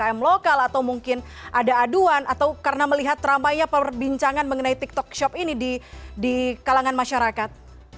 umkm lokal atau mungkin ada aduan atau karena melihat ramainya perbincangan mengenai tiktok shop ini di kalangan masyarakat